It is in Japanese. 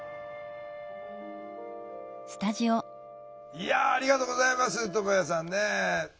いやありがとうございますともやさんねえ。